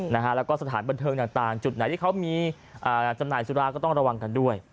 แล้วก็สถานบันเทิงต่างจุดไหนที่เขามีจำหน่ายสุราก็ต้องระวังกันด้วย